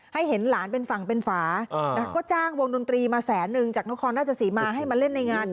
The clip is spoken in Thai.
ให้เห็นหลานเป็นฝั่งเป็นฝาก็จ้างวงดนตรีมาแสนนึงจากนครราชสีมาให้มาเล่นในงาน